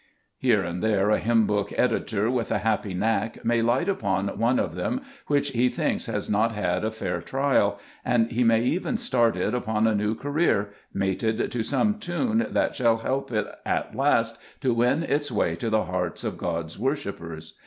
Here and there a hymn book editor, with a happy knack, may light upon one of them which he thinks has not had a Ube IBcet Cburcb t>vmns. fair trial, and he may even start it upon a new career, mated to some tune that shall help it at last to win its way to the hearts of God's worshippers.